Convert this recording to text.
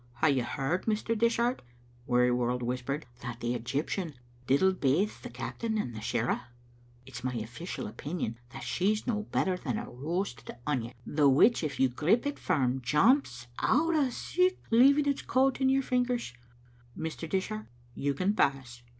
Hae you heard, Mr. Dishart," Weary world whispered, " that the Egyptian diddled baith the captain and the shirra? It's my official opinion that she's no better than a roasted onion, the which, if you grip it firm, jumps out o' sicht, leaving its coat in your fingers. Mr. Dishart, you can pass."